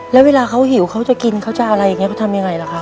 แล้วเวลาเขาหิวเขาจะกินเขาจะอะไรอย่างนี้เขาทำยังไงล่ะครับ